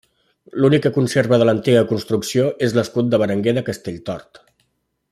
L'únic que conserva de l'antiga construcció és l'escut de Berenguer de Castelltort.